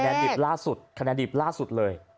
ดิบล่าสุดคะแนนดิบล่าสุดเลย